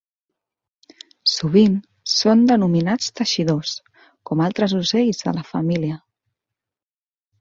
Sovint són denominats teixidors, com altres ocells de la família.